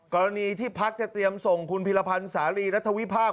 กรณีที่พักจะเตรียมส่งคุณพิรพันธ์สารีรัฐวิพากษ